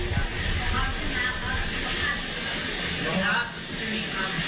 สวัสดีค่ะที่จอมฝันครับ